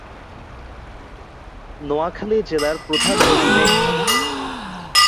নোয়াখালী জেলার প্রধান নদী মেঘনা।